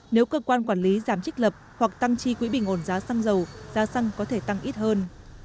nếu cơ quan quản lý giảm trích lập hoặc tăng chi quỹ bình ổn giá xăng dầu giá xăng có thể tăng ít hơn